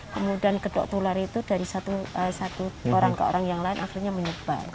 kemudian gedok tular itu dari satu orang ke orang yang lain akhirnya menyebal